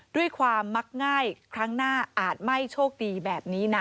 ด้วยความมักง่ายครั้งหน้าอาจไม่โชคดีแบบนี้นะ